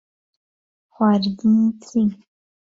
خواردنی چی؟